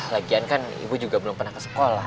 lagian kan ibu juga belum pernah ke sekolah